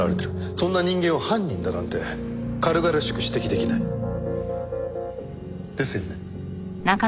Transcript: そんな人間を犯人だなんて軽々しく指摘出来ない。ですよね？